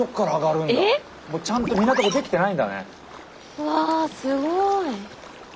うわすごい。